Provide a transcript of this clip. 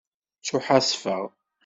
Ttuḥasfeɣ.